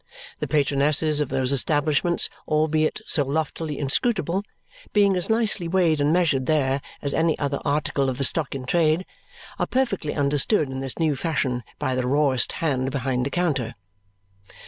The patronesses of those establishments, albeit so loftily inscrutable, being as nicely weighed and measured there as any other article of the stock in trade, are perfectly understood in this new fashion by the rawest hand behind the counter.